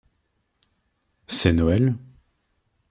C'est Noël.